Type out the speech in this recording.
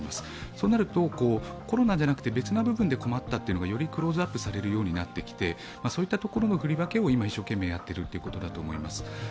そうなると、コロナじゃなくて別な部分で困ったというのがよりクローズアップされるようになってきてそういったところの振り分けを今一生懸命やっているというところだと思います。